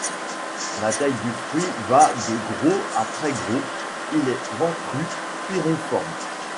La taille du fruit va de gros à très gros, il est ventru, piriforme.